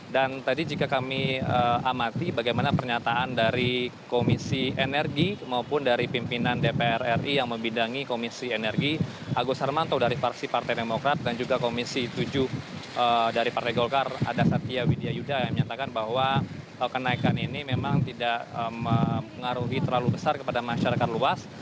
dan tadi jika kami amati bagaimana pernyataan dari komisi energi maupun dari pimpinan dpr ri yang membidangi komisi energi agus hermanto dari partai demokrat dan juga komisi tujuh dari partai golkar ada satya widya yudha yang menyatakan bahwa kenaikan ini memang tidak mengaruhi terlalu besar kepada masyarakat luas